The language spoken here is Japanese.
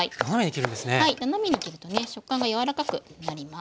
はい斜めに切るとね食感が柔らかくなります。